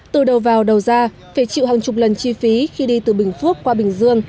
từ đầu vào đầu ra phải chịu hàng chục lần chi phí khi đi từ bình phước qua bình dương